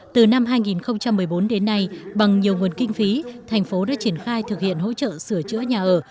từ năm hai nghìn một mươi bốn đến nay bằng nhiều nguồn kinh phí thành phố đã triển khai thực hiện hỗ trợ sửa chữa nhà ở